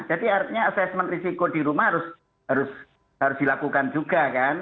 jadi artinya assessment risiko di rumah harus dilakukan juga kan